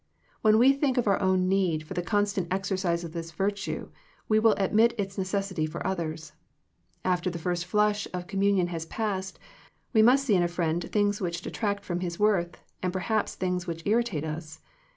When we think of our own need for the constant exercise of this virtue, we will admit its necessity for others. After the first flush of communion has passed, we must see in a friend things which detract from his worth, and perhaps things which irritate us.